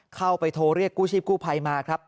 เข้าไปโทรเรียกกู้ชีพกู้ภัยมาครับ